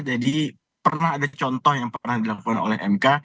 jadi pernah ada contoh yang pernah dilakukan oleh mk